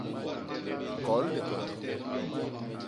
Kol likondo.